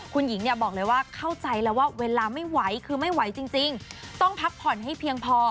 คุณหญิงเนี่ยบอกเลยว่าเข้าใจแล้วว่าเวลาไม่ไหวคือไม่ไหวจริงต้องพักผ่อนให้เพียงพอ